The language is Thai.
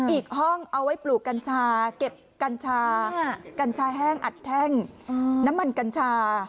อีกห้องเอาไว้ปลูกกัญชาเก็บกัญชากัญชาแห้งอัดแท่งน้ำมันกัญชา